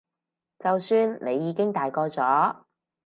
就算你已經大個咗